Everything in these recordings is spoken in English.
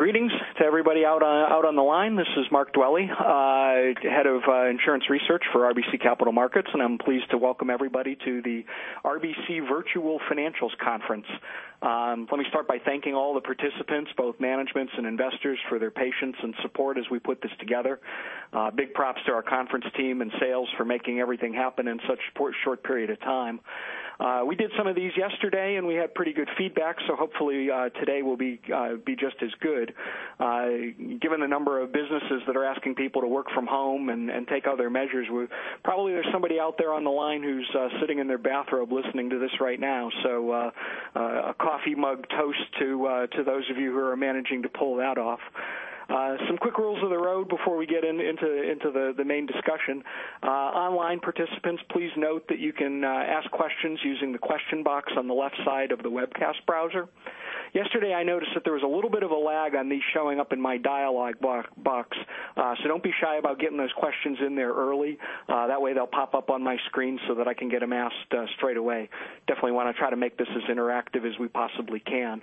Greetings to everybody out on the line. This is Mark Dwelle, head of insurance research for RBC Capital Markets. I'm pleased to welcome everybody to the RBC Virtual Financials Conference. Let me start by thanking all the participants, both managements and investors, for their patience and support as we put this together. Big props to our conference team and sales for making everything happen in such a short period of time. We did some of these yesterday, and we had pretty good feedback, so hopefully today will be just as good. Given the number of businesses that are asking people to work from home and take other measures, probably there's somebody out there on the line who's sitting in their bathrobe listening to this right now. A coffee mug toast to those of you who are managing to pull that off. Some quick rules of the road before we get into the main discussion. Online participants, please note that you can ask questions using the question box on the left side of the webcast browser. Yesterday, I noticed that there was a little bit of a lag on these showing up in my dialogue box, so don't be shy about getting those questions in there early. That way, they'll pop up on my screen so that I can get them asked straight away. Definitely want to try to make this as interactive as we possibly can.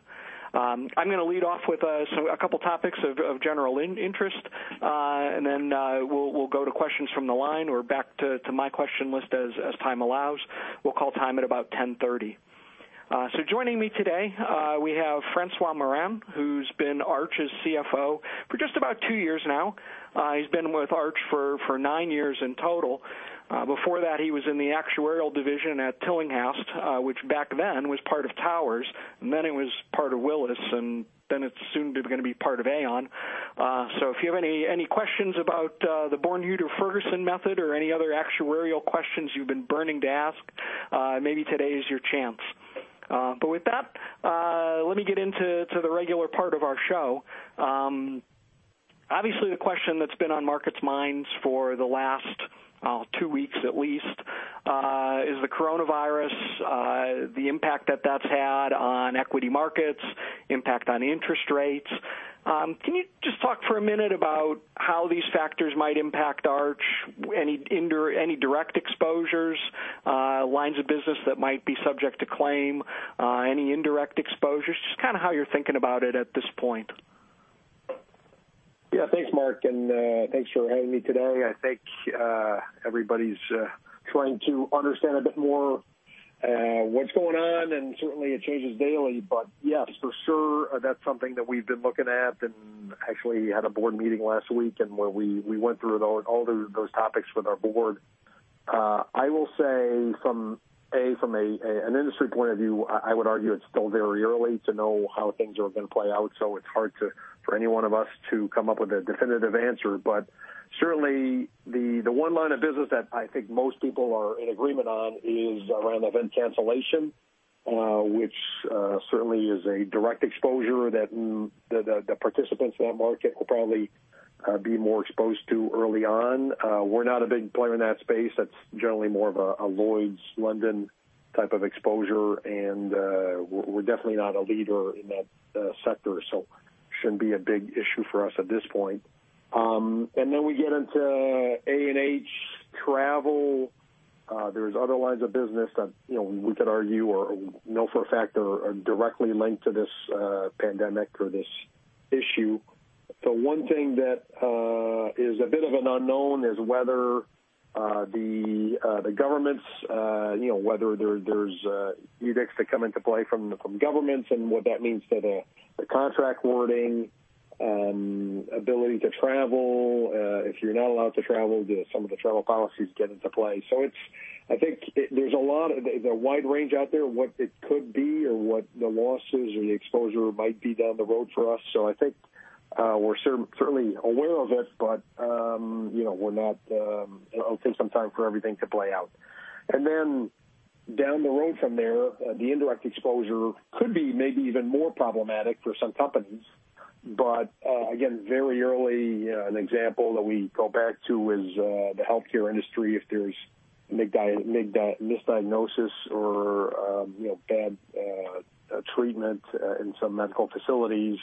I'm going to lead off with a couple topics of general interest, and then we'll go to questions from the line or back to my question list as time allows. We'll call time at about 10:30. Joining me today, we have François Morin, who's been Arch's CFO for just about 2 years now. He's been with Arch for 9 years in total. Before that, he was in the actuarial division at Tillinghast, which back then was part of Towers, and then it was part of Willis, and then it's soon going to be part of Aon. If you have any questions about the Bornhueter-Ferguson method or any other actuarial questions you've been burning to ask, maybe today is your chance. With that, let me get into the regular part of our show. Obviously, the question that's been on markets' minds for the last 2 weeks at least is the coronavirus, the impact that that's had on equity markets, impact on interest rates. Can you just talk for a minute about how these factors might impact Arch? Any direct exposures, lines of business that might be subject to claim, any indirect exposures, just how you're thinking about it at this point. Yeah. Thanks, Mark, and thanks for having me today. I think everybody's trying to understand a bit more what's going on, and certainly it changes daily. Yes, for sure, that's something that we've been looking at, and actually had a board meeting last week and where we went through all those topics with our board. I will say from an industry point of view, I would argue it's still very early to know how things are going to play out, so it's hard for any one of us to come up with a definitive answer. Certainly, the one line of business that I think most people are in agreement on is around event cancellation, which certainly is a direct exposure that the participants in that market will probably be more exposed to early on. We're not a big player in that space. That's generally more of a Lloyd's, London type of exposure, and we're definitely not a leader in that sector, shouldn't be a big issue for us at this point. We get into A&H travel. There's other lines of business that we could argue or know for a fact are directly linked to this pandemic or this issue. The one thing that is a bit of an unknown is whether there's edicts that come into play from governments and what that means to the contract wording, ability to travel. If you're not allowed to travel, do some of the travel policies get into play? I think there's a wide range out there of what it could be or what the losses or the exposure might be down the road for us. I think we're certainly aware of it, but it'll take some time for everything to play out. Down the road from there, the indirect exposure could be maybe even more problematic for some companies. Again, very early. An example that we go back to is the healthcare industry. If there's misdiagnosis or bad treatment in some medical facilities,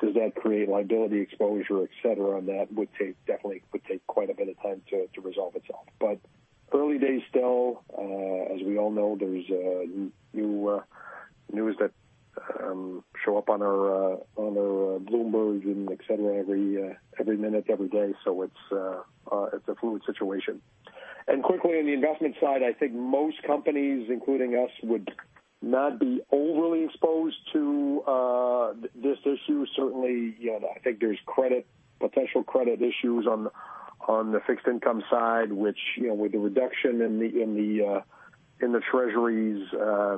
does that create liability exposure, et cetera? That definitely would take quite a bit of time to resolve itself. Early days still. As we all know, there's news that show up on our Bloomberg and et cetera every minute, every day, so it's a fluid situation. Quickly on the investment side, I think most companies, including us, would not be overly exposed to this issue. Certainly, I think there's potential credit issues on the fixed income side, which with the reduction in the treasuries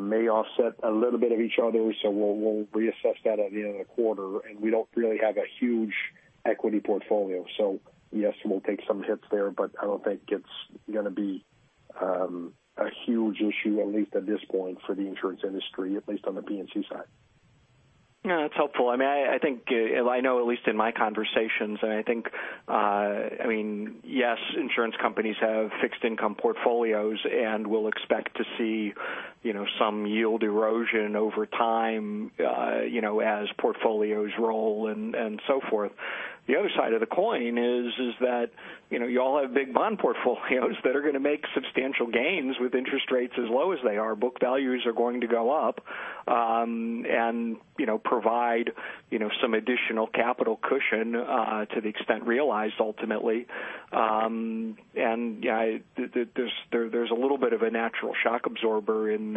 may offset a little bit of each other. We'll reassess that at the end of the quarter. We don't really have a huge equity portfolio. Yes, we'll take some hits there, but I don't think it's going to be a huge issue, at least at this point for the insurance industry, at least on the P&C side. Yeah. That's helpful. I know at least in my conversations, and I think, yes, insurance companies have fixed income portfolios, and we'll expect to see some yield erosion over time as portfolios roll and so forth. The other side of the coin is that you all have big bond portfolios that are going to make substantial gains with interest rates as low as they are. Book values are going to go up and provide some additional capital cushion to the extent realized ultimately. There's a little bit of a natural shock absorber in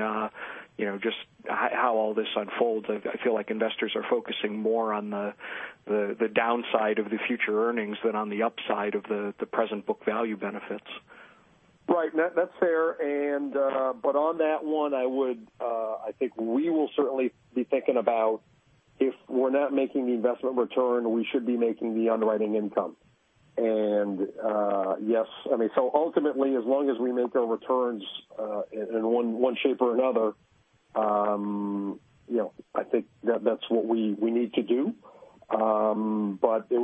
just how all this unfolds. I feel like investors are focusing more on the downside of the future earnings than on the upside of the present book value benefits. Right. That's fair. On that one, I think we will certainly be thinking about if we're not making the investment return, we should be making the underwriting income. Ultimately, as long as we make our returns in one shape or another, I think that's what we need to do. It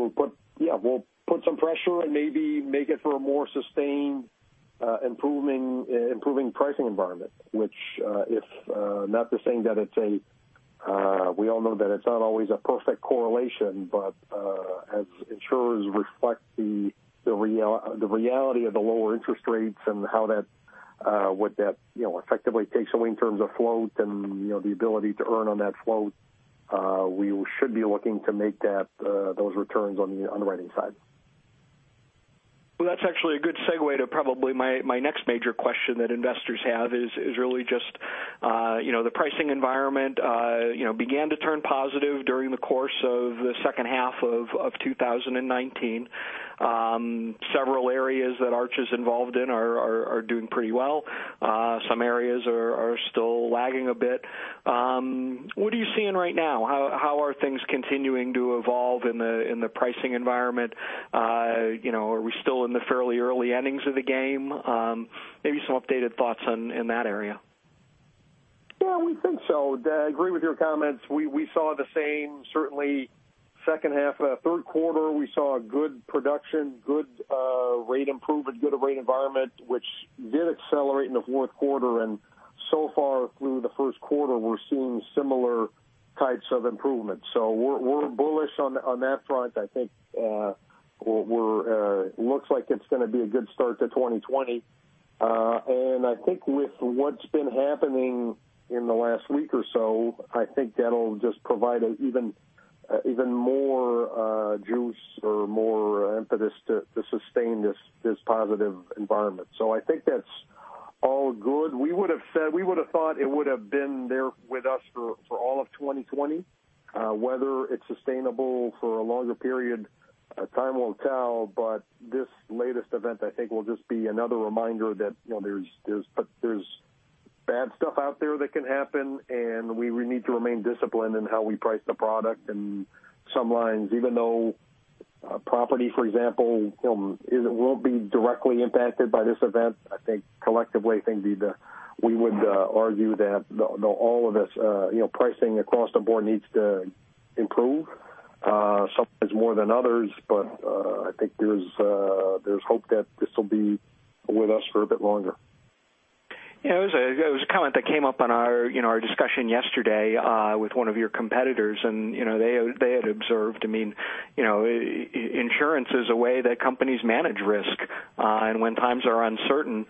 will put some pressure and maybe make it for a more sustained improving pricing environment, which if not to say that. We all know that it's not always a perfect correlation, but as insurers reflect the reality of the lower interest rates and what that effectively takes away in terms of float and the ability to earn on that float, we should be looking to make those returns on the underwriting side. Well, that's actually a good segue to probably my next major question that investors have is really just the pricing environment began to turn positive during the course of the second half of 2019. Several areas that Arch is involved in are doing pretty well. Some areas are still lagging a bit. What are you seeing right now? How are things continuing to evolve in the pricing environment? Are we still in the fairly early innings of the game? Maybe some updated thoughts in that area. Yeah, we think so. Agree with your comments. We saw the same, certainly second half of third quarter, we saw good production, good rate improvement, good rate environment, which did accelerate in the fourth quarter. So far through the first quarter, we're seeing similar types of improvements. We're bullish on that front. I think it looks like it's going to be a good start to 2020. I think with what's been happening in the last week or so, I think that'll just provide even more juice or more impetus to sustain this positive environment. I think that's all good. We would have thought it would have been there with us for all of 2020. Whether it's sustainable for a longer period, time will tell. This latest event, I think, will just be another reminder that there's bad stuff out there that can happen, and we need to remain disciplined in how we price the product. Some lines, even though property, for example, will be directly impacted by this event, I think collectively, we would argue that all of this pricing across the board needs to improve. Some more than others, I think there's hope that this will be with us for a bit longer. There was a comment that came up on our discussion yesterday with one of your competitors, they had observed, insurance is a way that companies manage risk. When times are uncertain,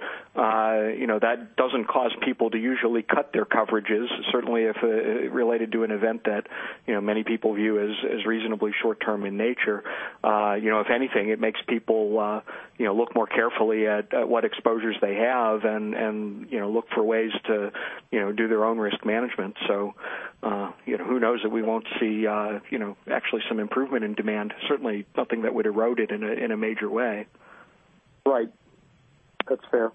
that doesn't cause people to usually cut their coverages, certainly if related to an event that many people view as reasonably short-term in nature. If anything, it makes people look more carefully at what exposures they have and look for ways to do their own risk management. Who knows that we won't see actually some improvement in demand. Certainly nothing that would erode it in a major way. Right. That's fair.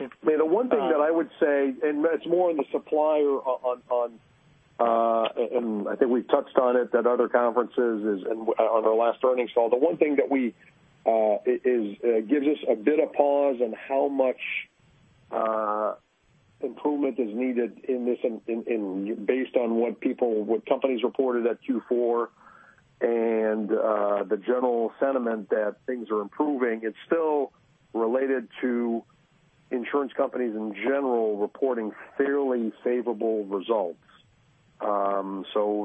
Okay. The one thing that I would say, it's more on the supplier on, I think we've touched on it at other conferences and on our last earnings call. The one thing that gives us a bit of pause on how much improvement is needed in this based on what companies reported at Q4 and the general sentiment that things are improving, it's still related to insurance companies in general reporting fairly favorable results.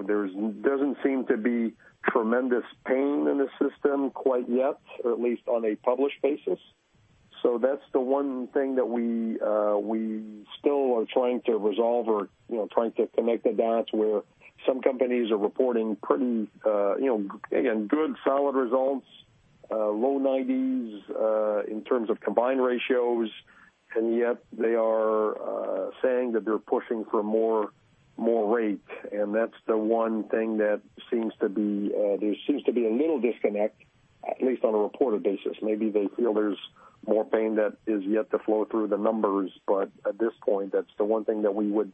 There doesn't seem to be tremendous pain in the system quite yet, or at least on a published basis. That's the one thing that we still are trying to resolve or trying to connect the dots where some companies are reporting pretty, again, good, solid results, low 90s in terms of combined ratio. Yet they are saying that they're pushing for more rate. That's the one thing that there seems to be a little disconnect, at least on a reported basis. Maybe they feel there's more pain that is yet to flow through the numbers, at this point, that's the one thing that we would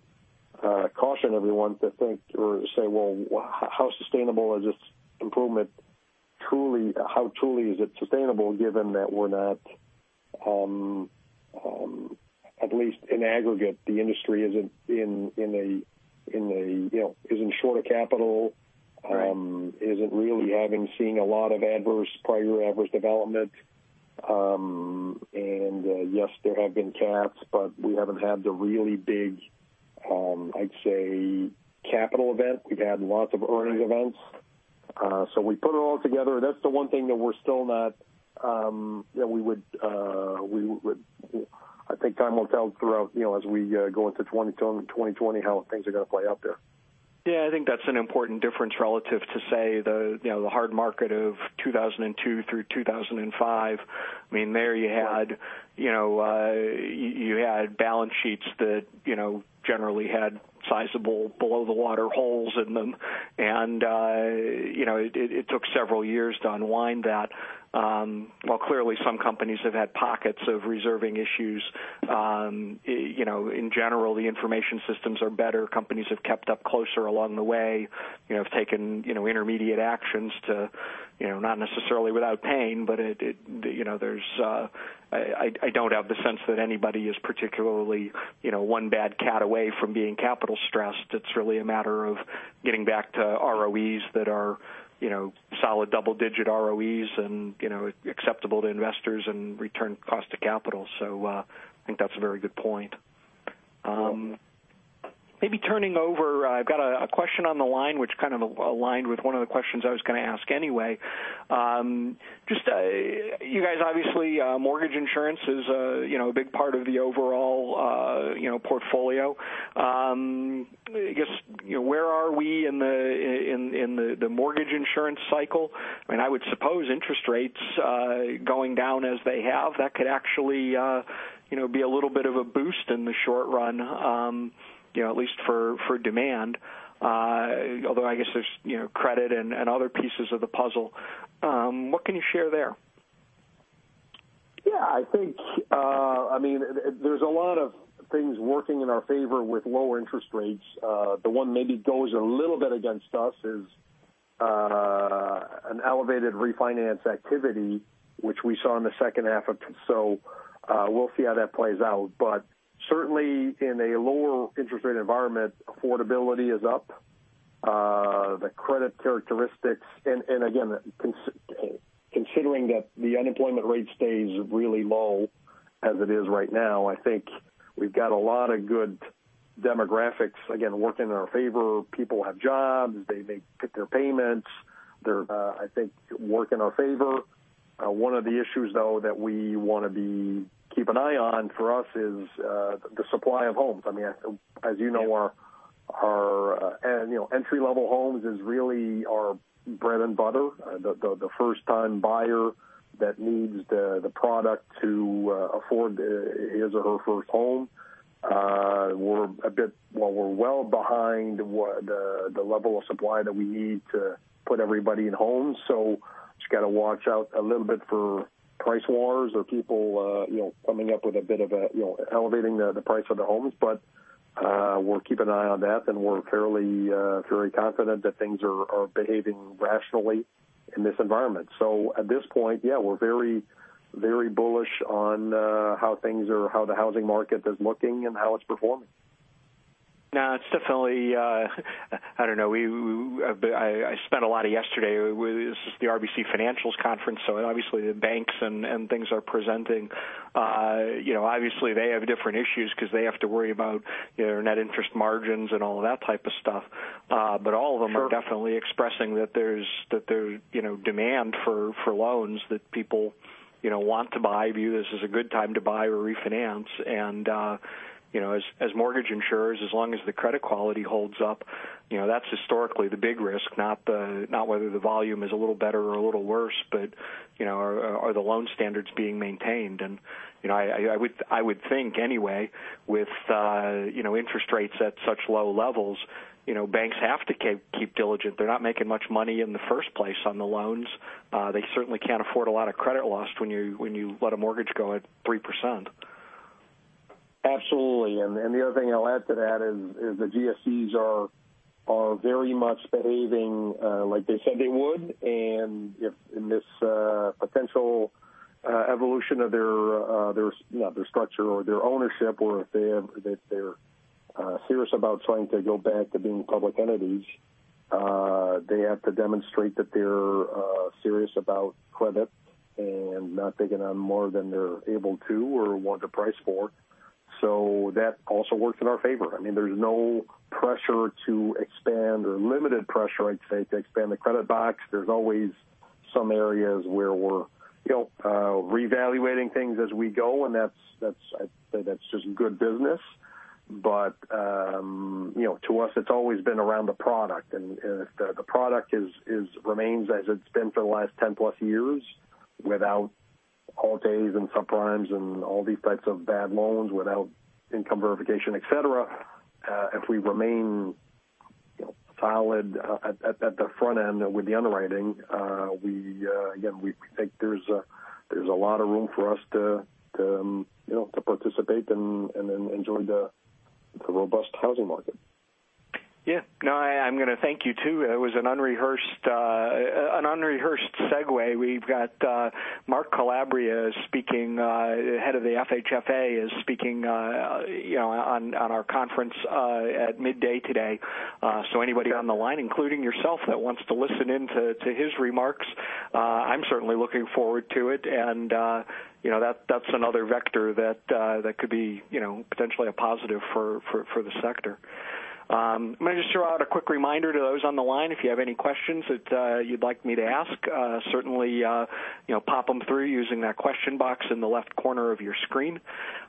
caution everyone to think or say, well, how sustainable is this improvement? How truly is it sustainable given that we're not, at least in aggregate, the industry isn't short of capital. Right isn't really having seen a lot of adverse prior year adverse development. Yes, there have been CATs, we haven't had the really big, I'd say, capital event. We've had lots of earnings events. We put it all together, and that's the one thing that I think time will tell throughout as we go into 2020 how things are going to play out there. I think that's an important difference relative to, say, the hard market of 2002 through 2005. There you had balance sheets that generally had sizable below the water holes in them, and it took several years to unwind that. While clearly some companies have had pockets of reserving issues, in general, the information systems are better. Companies have kept up closer along the way, have taken intermediate actions to not necessarily without pain, but I don't have the sense that anybody is particularly one bad CAT away from being capital stressed. It's really a matter of getting back to ROEs that are solid double-digit ROEs and acceptable to investors and return cost to capital. I think that's a very good point. Maybe turning over, I've got a question on the line which kind of aligned with one of the questions I was going to ask anyway. You guys obviously, mortgage insurance is a big part of the overall portfolio. I guess, where are we in the mortgage insurance cycle? I would suppose interest rates going down as they have, that could actually be a little bit of a boost in the short run, at least for demand. Although, I guess there's credit and other pieces of the puzzle. What can you share there? I think there's a lot of things working in our favor with lower interest rates. The one maybe goes a little bit against us is an elevated refinance activity, which we saw in the second half of. We'll see how that plays out. Certainly, in a lower interest rate environment, affordability is up. The credit characteristics, and again, considering that the unemployment rate stays really low as it is right now, I think we've got a lot of good demographics, again, working in our favor. People have jobs. They make their payments. I think work in our favor. One of the issues, though, that we want to keep an eye on for us is the supply of homes. As you know, entry-level homes is really our bread and butter. The first-time buyer that needs the product to afford his or her first home. We're well behind the level of supply that we need to put everybody in homes. Just got to watch out a little bit for price wars or people coming up with a bit of elevating the price of the homes. We'll keep an eye on that, and we're fairly confident that things are behaving rationally in this environment. At this point, yeah, we're very bullish on how the housing market is looking and how it's performing. No, it's definitely I don't know. I spent a lot of yesterday with the RBC Financials Conference, obviously the banks and things are presenting. Obviously, they have different issues because they have to worry about their net interest margins and all of that type of stuff. All of them are definitely expressing that there's demand for loans that people want to buy, view this as a good time to buy or refinance. As mortgage insurers, as long as the credit quality holds up, that's historically the big risk, not whether the volume is a little better or a little worse. Are the loan standards being maintained? I would think anyway, with interest rates at such low levels, banks have to keep diligent. They're not making much money in the first place on the loans. They certainly can't afford a lot of credit loss when you let a mortgage go at 3%. Absolutely. The other thing I'll add to that is the GSEs are very much behaving like they said they would. If in this potential evolution of their structure or their ownership or if they're serious about trying to go back to being public entities, they have to demonstrate that they're serious about credit and not taking on more than they're able to or want to price for. That also works in our favor. There's no pressure to expand or limited pressure, I'd say, to expand the credit box. There's always some areas where we're reevaluating things as we go, and I'd say that's just good business. To us, it's always been around the product, and if the product remains as it's been for the last 10-plus years without Alt-A and subprimes and all these types of bad loans, without income verification, et cetera. If we remain solid at the front end with the underwriting, again, we think there's a lot of room for us to participate and then enjoy the robust housing market. Yeah. No, I'm going to thank you, too. It was an unrehearsed segue. We've got Mark Calabria, head of the FHFA, is speaking on our conference at midday today. Anybody on the line, including yourself, that wants to listen in to his remarks, I'm certainly looking forward to it. That's another vector that could be potentially a positive for the sector. May I just throw out a quick reminder to those on the line, if you have any questions that you'd like me to ask, certainly pop them through using that question box in the left corner of your screen.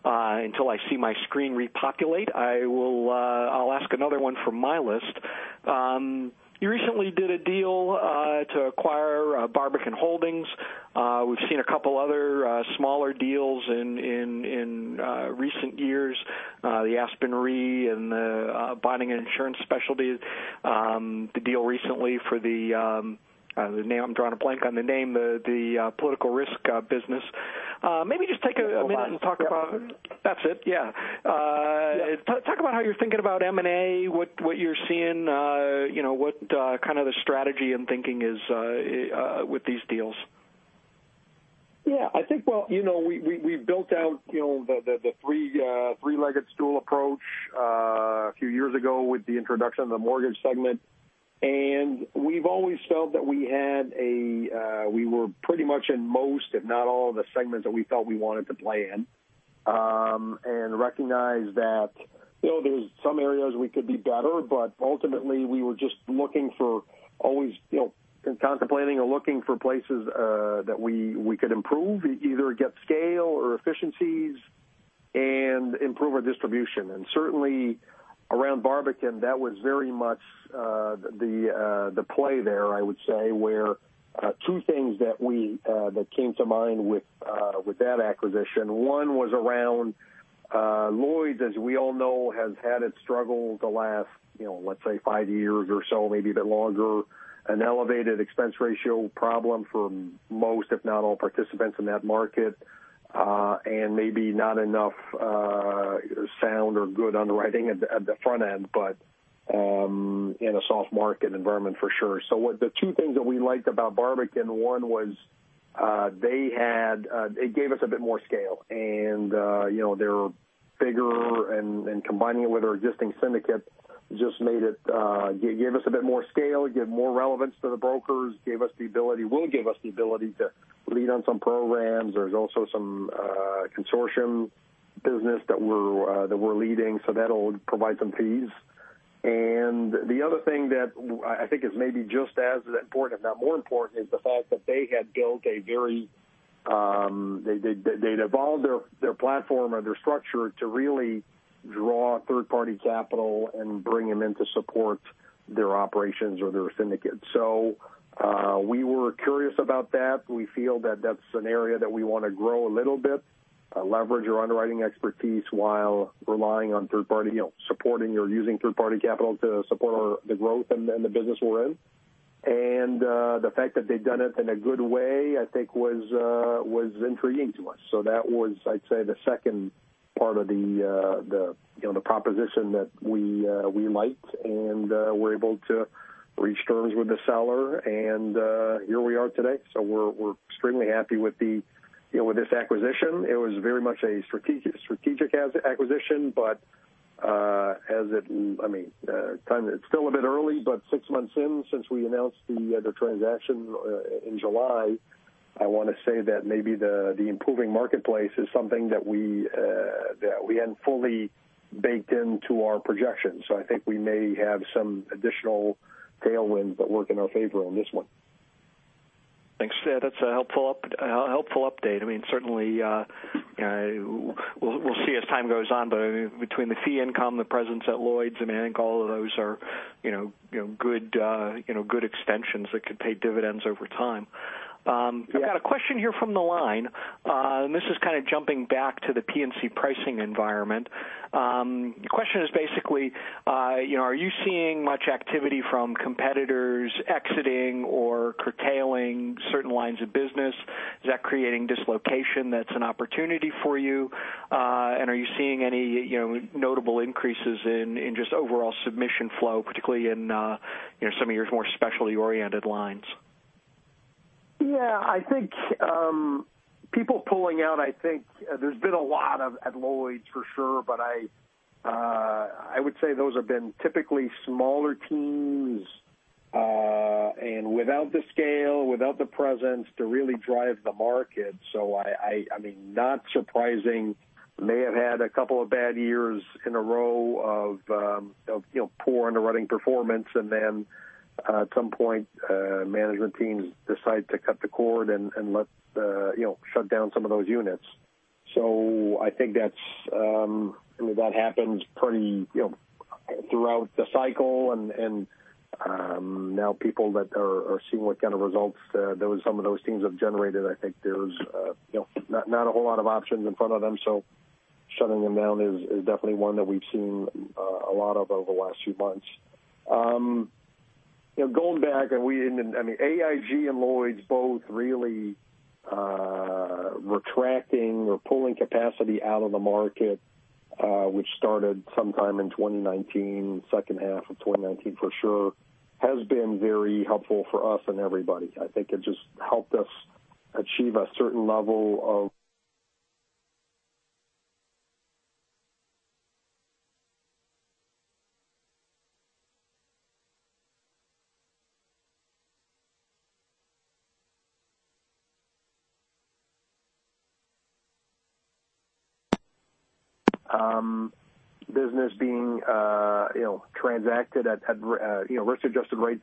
Until I see my screen repopulate, I'll ask another one from my list. You recently did a deal to acquire Barbican Holdings. We've seen a couple other smaller deals in recent years, the Aspen Re and the Binding and Insurance Specialty, the deal recently for the, I'm drawing a blank on the name, the political risk business. Maybe just take a minute and talk about. That's it. Yeah. Yeah. Talk about how you're thinking about M&A, what you're seeing, what kind of the strategy and thinking is with these deals. I think we built out the three-legged stool approach a few years ago with the introduction of the mortgage segment. We've always felt that we were pretty much in most, if not all, of the segments that we felt we wanted to play in, and recognized that there's some areas we could do better. Ultimately, we were just always contemplating or looking for places that we could improve, either get scale or efficiencies, and improve our distribution. Certainly around Barbican, that was very much the play there, I would say. Two things that came to mind with that acquisition. One was around Lloyd's, as we all know, has had its struggles the last, let's say, 5 years or so, maybe a bit longer. An elevated expense ratio problem for most, if not all, participants in that market. Maybe not enough sound or good underwriting at the front end, but in a soft market environment for sure. The 2 things that we liked about Barbican, one was it gave us a bit more scale, and they're bigger, and combining it with our existing syndicate just gave us a bit more scale, gave more relevance to the brokers, will give us the ability to lead on some programs. There's also some consortium business that we're leading, so that'll provide some fees. The other thing that I think is maybe just as important, if not more important, is the fact that they'd evolved their platform and their structure to really draw third-party capital and bring them in to support their operations or their syndicates. We were curious about that. We feel that that's an area that we want to grow a little bit, leverage our underwriting expertise while relying on third-party, supporting or using third-party capital to support the growth and the business we're in. The fact that they'd done it in a good way, I think was intriguing to us. That was, I'd say, the second part of the proposition that we liked, and were able to reach terms with the seller, and here we are today. We're extremely happy with this acquisition. It was very much a strategic acquisition. It's still a bit early, but 6 months in since we announced the transaction in July, I want to say that maybe the improving marketplace is something that we hadn't fully baked into our projections. I think we may have some additional tailwinds that work in our favor on this one. Thanks, François. That's a helpful update. Certainly, we'll see as time goes on. Between the fee income, the presence at Lloyd's, I think all of those are good extensions that could pay dividends over time. Yeah. I've got a question here from the line. This is kind of jumping back to the P&C pricing environment. The question is basically, are you seeing much activity from competitors exiting or curtailing certain lines of business? Is that creating dislocation that's an opportunity for you? Are you seeing any notable increases in just overall submission flow, particularly in some of your more specialty-oriented lines? Yeah, I think people pulling out, I think there's been a lot at Lloyd's for sure, but I would say those have been typically smaller teams, and without the scale, without the presence to really drive the market. Not surprising. May have had a couple of bad years in a row of poor underwriting performance, then at some point, management teams decide to cut the cord and shut down some of those units. I think that happens throughout the cycle, now people that are seeing what kind of results some of those teams have generated, I think there's not a whole lot of options in front of them. Shutting them down is definitely one that we've seen a lot of over the last few months. Going back, AIG and Lloyd's both really retracting or pulling capacity out of the market, which started sometime in 2019, second half of 2019 for sure, has been very helpful for us and everybody. I think it just helped us achieve a certain level of business being transacted at risk-adjusted rates.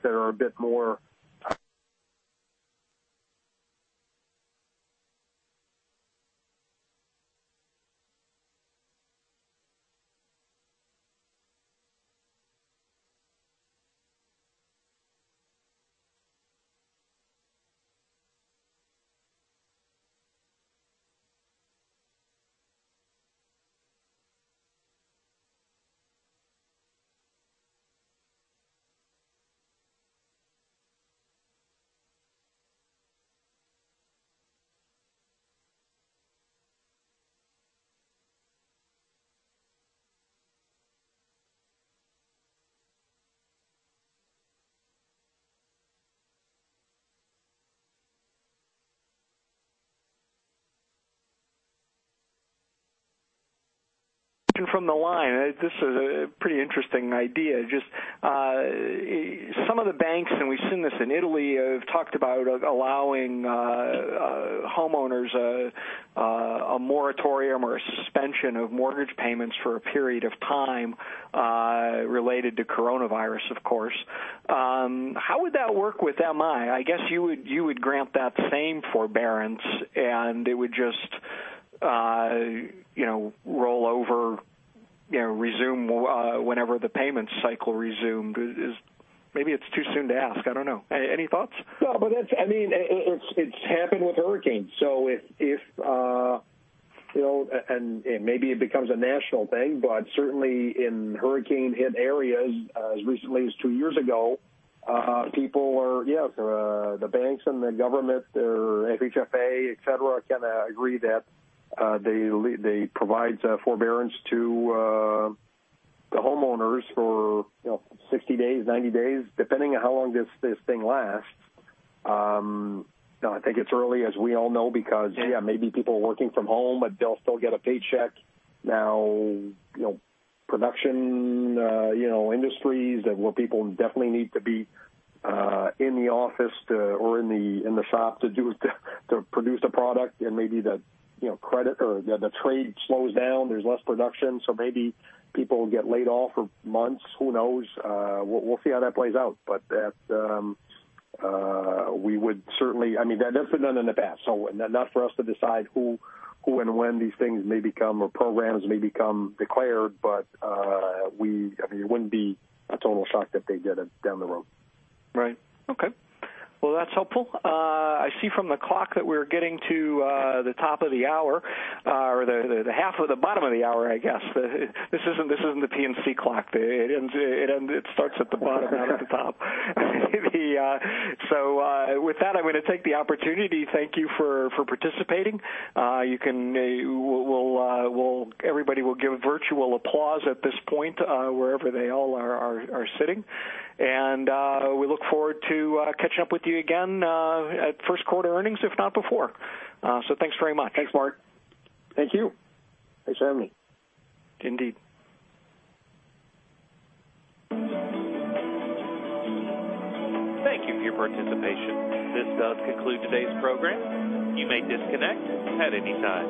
From the line. This is a pretty interesting idea. Just some of the banks, and we've seen this in Italy, have talked about allowing homeowners a moratorium or a suspension of mortgage payments for a period of time related to coronavirus, of course. How would that work with MI? I guess you would grant that same forbearance, and it would just roll over, resume whenever the payment cycle resumed. Maybe it's too soon to ask. I don't know. Any thoughts? It's happened with hurricanes. Maybe it becomes a national thing, but certainly in hurricane-hit areas, as recently as 2 years ago, the banks and the government or FHFA, et cetera, agree that they provide forbearance to the homeowners for 60 days, 90 days, depending on how long this thing lasts. I think it's early, as we all know, because maybe people are working from home, but they'll still get a paycheck. Production industries where people definitely need to be in the office or in the shop to produce a product, maybe the trade slows down. There's less production, maybe people get laid off for months. Who knows? We'll see how that plays out. That's been done in the past, so not for us to decide who and when these things or programs may become declared, but it wouldn't be a total shock that they get it down the road. Right. Okay. Well, that's helpful. I see from the clock that we're getting to the top of the hour, or the half of the bottom of the hour, I guess. This isn't the PNC clock. It starts at the bottom, not at the top. With that, I'm going to take the opportunity to thank you for participating. Everybody will give virtual applause at this point, wherever they all are sitting. We look forward to catching up with you again at first quarter earnings, if not before. Thanks very much. Thanks, Mark. Thank you. Thanks for having me. Indeed. Thank you for your participation. This does conclude today's program. You may disconnect at any time.